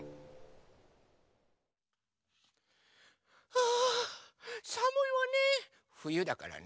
あさむいわね。